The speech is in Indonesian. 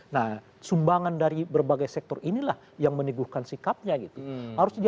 nah sumbangan dari berbagai sektor inilah yang meneguhkan sikapnya gitu